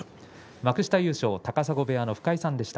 幕下優勝、高砂部屋の深井さんでした。